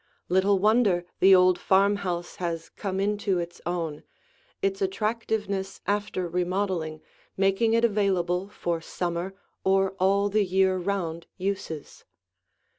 Little wonder the old farmhouse has come into its own, its attractiveness after remodeling making it available for summer or all the year round uses.